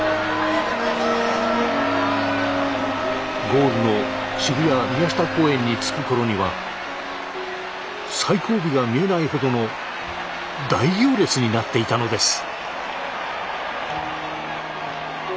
ゴールの渋谷・宮下公園に着く頃には最後尾が見えないほどの大行列になっていたのです。